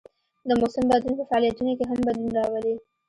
د موسم بدلون په فعالیتونو کې هم بدلون راولي